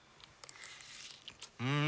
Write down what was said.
うん！